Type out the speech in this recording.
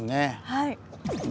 はい。